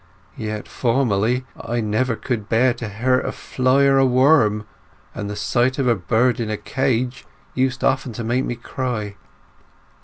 Yet formerly I never could bear to hurt a fly or a worm, and the sight of a bird in a cage used often to make me cry."